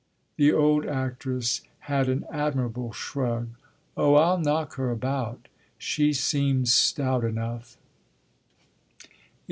The old actress had an admirable shrug. "Oh I'll knock her about she seems stout enough!"